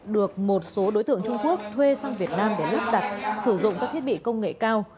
được một số đối tượng trung quốc thuê sang việt nam để lắp đặt sử dụng các thiết bị công nghệ cao